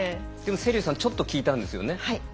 でも瀬立さん、ちょっと聞いたんですよね。